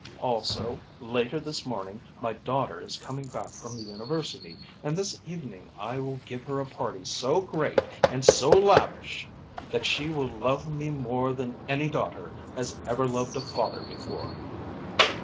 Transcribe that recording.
Also, later this morning my daughter is coming back from the university, and this evening I will give her a party so great and so lavish that she will love me more than any daughter has ever loved a father before."